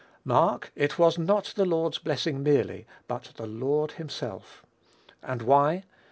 Mark, it was not the Lord's blessing merely, but the Lord himself. And why?